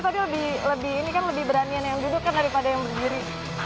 tadi lebih ini kan lebih beranian yang duduk kan daripada yang berdiri